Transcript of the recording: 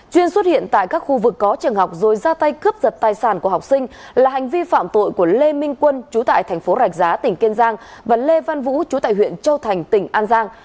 chuyên xuất hiện tại các khu vực có trường học rồi ra tay cướp giật tài sản của học sinh là hành vi phạm tội của lê minh quân chú tại thành phố rạch giá tỉnh kiên giang và lê văn vũ chú tại huyện châu thành tỉnh an giang